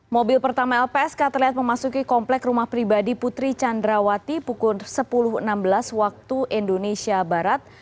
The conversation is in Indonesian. mobil pertama lpsk terlihat memasuki komplek rumah pribadi putri candrawati pukul sepuluh enam belas waktu indonesia barat